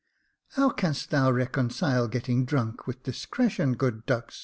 How canst thou reconcile getting drunk, with dis cretion, good Dux ?